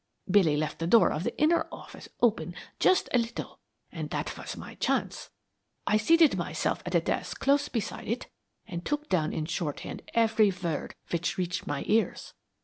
Billy left the door of the inner office open just a little and that was my chance. I seated myself at a desk close beside it and took down in shorthand every word which reached my ears.